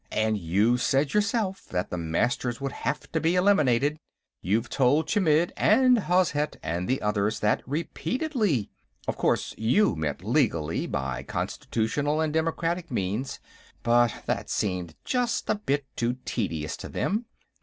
And you've said, yourself, that the Masters would have to be eliminated. You've told Chmidd and Hozhet and the others that, repeatedly. Of course, you meant legally, by constitutional and democratic means, but that seemed just a bit too tedious to them.